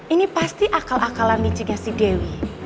ini pasti akal akalan nicingnya si dewi